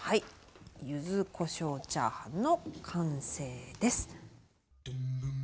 柚子こしょうチャーハンの完成です。